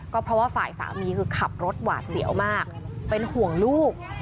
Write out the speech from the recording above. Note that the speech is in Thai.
ก็เพราะว่าฝ่ายสามีคือขับรถหวาดเสียวมากเป็นห่วงลูก